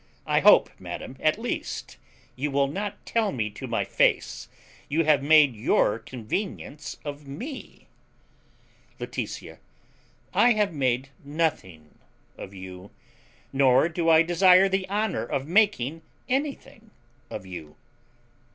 I hope, madam, at least, you will not tell me to my face you have made your convenience of me. Laetitia. I have made nothing of you; nor do I desire the honour of making anything of you.